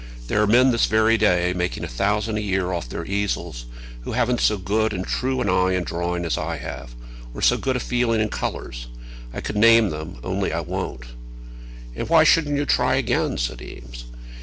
There are men this very day making a thousand a year off their easels who haven't so good and true an eye in drawing as I have, or so good a feeling in colours. I could name them; only I won't." "And why shouldn't you try again?" said Eames.